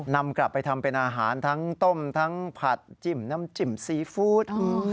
นำกลับไปทำเป็นอาหารทั้งต้มทั้งผัดจิ้มน้ำจิ้มซีฟู้ด